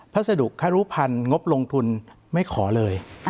พัสดุคารุพันธ์งบลงทุนไม่ขอเลย